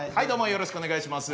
よろしくお願いします。